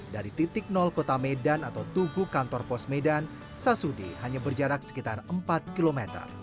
dari titik nol kota medan atau tugu kantor pos medan sasudi hanya berjarak sekitar empat km